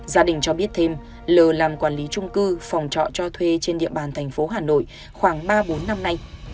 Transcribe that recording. gia đình cho biết thêm lờ làm quản lý trung cư phòng trọ cho thuê trên địa bàn thành phố hà nội khoảng ba bốn năm nay